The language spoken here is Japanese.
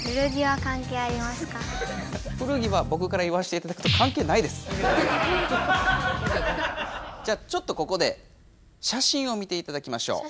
古着はぼくから言わしていただくとじゃあちょっとここで写真を見ていただきましょう。